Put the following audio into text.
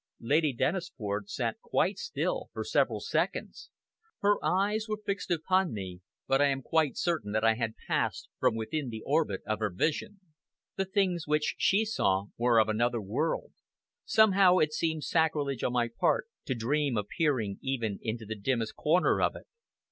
Lady Dennisford sat quite still for several seconds. Her eyes were fixed upon me; but I am quite certain that I had passed from within the orbit of her vision. The things which she saw were of another world somehow it seemed sacrilege on my part to dream of peering even into the dimmest corner of it.